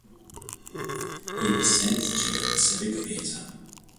He was sent to the Pacific Theater.